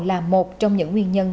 là một trong những nguyên nhân